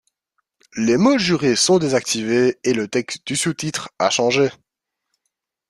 Les mots jurés sont désactivés et le texte du sous-titre a changé.